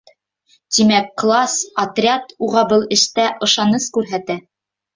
Тимәк, класс, отряд уға был эштә ышаныс күрһәтә.